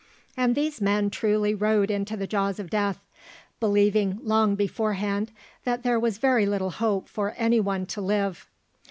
And these men truly rode into the jaws of death, believing long beforehand that there was very little hope for any one to live.